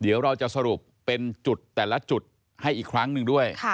เดี๋ยวเราจะสรุปเป็นจุดแต่ละจุดให้อีกครั้งหนึ่งด้วย